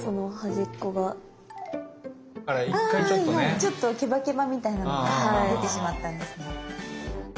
ちょっとケバケバみたいなのが出てしまったんですね。